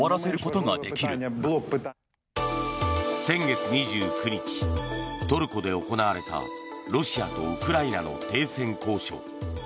先月２９日、トルコで行われたロシアとウクライナの停戦交渉。